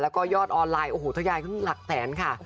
แล้วก็ยอดออนไลน์โอ้โหทะยายขึ้นหลักแสนค่ะ